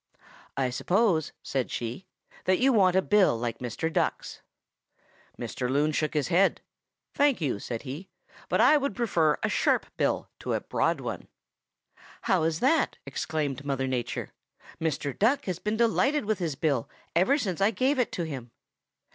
"'I suppose,' said she, 'that you want a bill like Mr. Duck's.' "Mr. Loon shook his head. 'Thank you,' said he, 'but I would prefer a sharp bill to a broad one.' "'How is that?' exclaimed Mother Nature. 'Mr. Duck has been delighted with his bill ever since I gave it to him.'